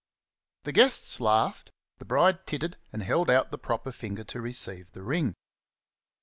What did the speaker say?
The guests laughed; the bride tittered and held out the proper finger to receive the ring.